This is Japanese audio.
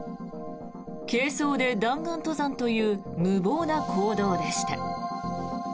軽装で弾丸登山という無謀な行動でした。